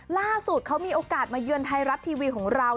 ล่าสุดเขามีโอกาสมาเยือนไทยรัฐทีวีของเรา